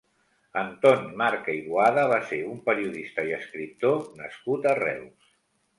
Anton Marca i Boada va ser un periodista i escriptor nascut a Reus.